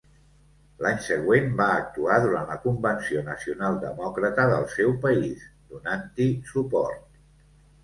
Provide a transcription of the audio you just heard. L'any següent va actuar durant la Convenció Nacional Demòcrata del seu país, donant-hi suport.